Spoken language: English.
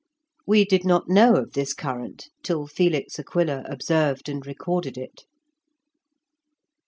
We did not know of this current till Felix Aquila observed and recorded it.